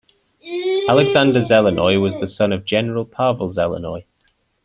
Alexander Zelenoy was the son of General Pavel Zelenoy.